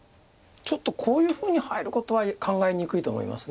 ちょっとこういうふうに入ることは考えにくいと思います。